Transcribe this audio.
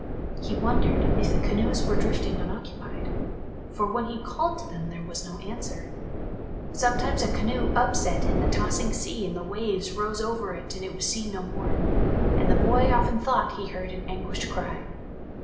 He wondered if the canoes were drifting unoccupied, for when he called to them there was no answer. Sometimes a canoe upset in the tossing sea and the waves rose over it and it was seen no more, and the boy often thought he heard an anguished cry.